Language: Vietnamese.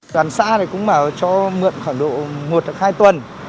đoàn xã cũng bảo cho mượn khoảng độ một hai tuần